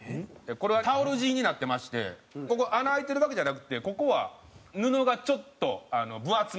これはタオル地になってましてここ穴開いてるだけじゃなくてここは布がちょっと分厚めになってます。